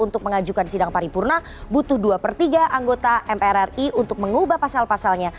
untuk mengajukan sidang paripurna butuh dua per tiga anggota mprri untuk mengubah pasal pasalnya